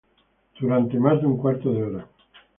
Por mas de un cuarto de hora